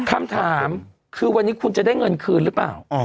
คำถามคือวันนี้คุณจะได้เงินคืนหรือเปล่า